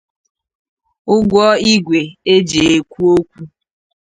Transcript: ụgwọ igwe e ji ekwu okwu